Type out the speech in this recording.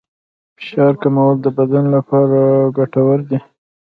فشار کمول د بدن لپاره ګټور دي.